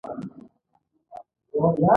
نړیوال اژانسونه د دې توپیرونو د جبران هڅه کوي